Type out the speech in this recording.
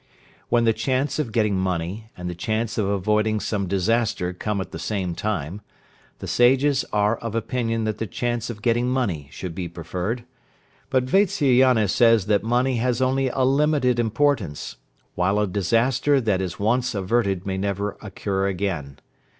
When the chance of getting money, and the chance of avoiding some disaster come at the same time, the Sages are of opinion that the chance of getting money should be preferred, but Vatsyayana says that money has only a limited importance, while a disaster that is once averted may never occur again.